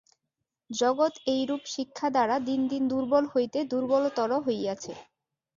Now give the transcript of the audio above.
জগৎ এইরূপ শিক্ষা দ্বারা দিন দিন দুর্বল হইতে দুর্বলতর হইয়াছে।